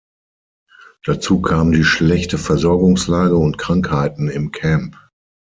Dazu kamen die schlechte Versorgungslage und Krankheiten im Camp.